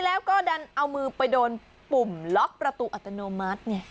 แล้วก็ดันเอามือไปโดนปุ่มล็อกประตูอัตโนมัติไง